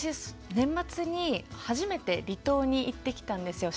年末に初めて離島に行ってきたんですよ